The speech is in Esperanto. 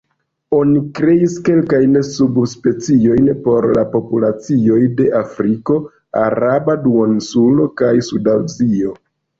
Oni kreis kelkajn subspeciojn por la populacioj de Afriko, Araba Duoninsulo kaj Suda Azio.